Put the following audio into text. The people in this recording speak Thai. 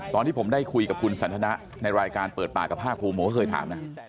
ตอนที่ผมได้คุยกับคุณสันทนะในรายการเปิดปากกับภาคภูมิผมก็เคยถามนะ